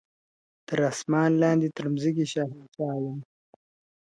تر اسمان لاندي تر مځکي شهنشاه یم `